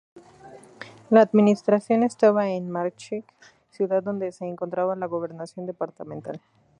La administración estaba en Marchigüe, ciudad donde se encontraba la Gobernación Departamental.